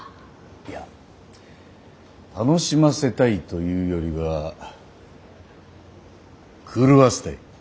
いや楽しませたいというよりは狂わせたい。